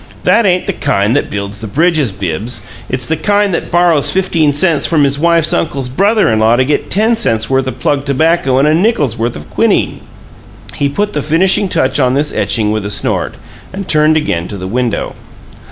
That ain't the kind that builds the bridges, Bibbs; it's the kind that borrows fifteen cents from his wife's uncle's brother in law to get ten cent's worth o' plug tobacco and a nickel's worth o' quinine!" He put the finishing touch on this etching with a snort, and turned again to the window.